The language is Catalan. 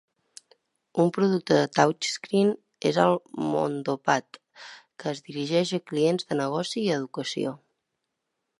Un producte de touchscreen és el Mondopad que es dirigeix a clients de negoci i educació.